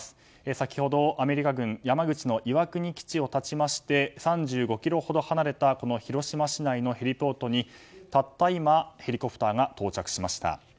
先ほどアメリカ軍山口の岩国基地を発ちまして３５ｋｍほど離れた広島市内のヘリポートに、たった今ヘリコプターが到着しました。